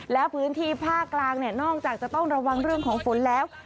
แล้วพื้นที่ภาคกลางเนี่ยนอกจากจะต้องระวังเรื่องของฝนแล้ว